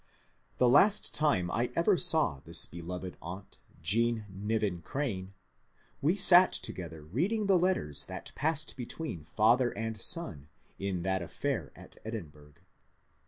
The last time I ever saw this beloved aunt Jean Niven Crane, we sat together reading the letters that passed between father and son in that affair at Edinburgh.